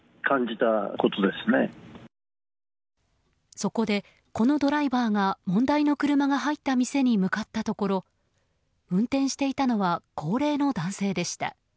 そこで、このドライバーが問題の車が入った店に向かったところ運転していたのは高齢の男性でした。